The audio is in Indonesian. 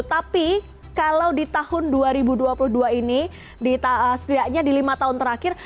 tapi kalau di tahun dua ribu dua puluh dua ini setidaknya di lima tahun terakhir